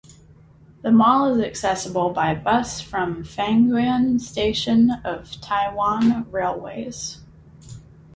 The mall is accessible by bus from Fengyuan Station of Taiwan Railways.